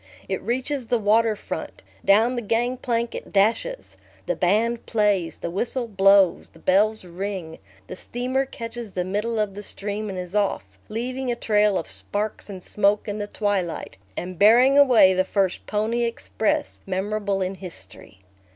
It reaches the water front; down the gang plank it dashes; the band plays, the whistle blows, the bell rings, the steamer catches the middle of the stream and is off, leaving a trail of sparks and smoke in the twilight, and bearing away the first "Pony Express," memorable in history.